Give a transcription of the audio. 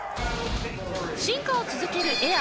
進化を続けるエア